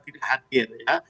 tidak hadir ya